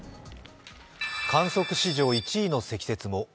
観測史上１位の積雪も。